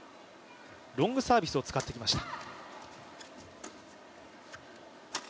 ロングサービスを使ってきました。